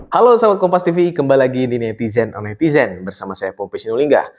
halo sobat kompastv kembali lagi di netizen on netizen bersama saya pompis nulingga